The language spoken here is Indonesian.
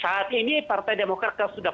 saat ini partai demokrat sudah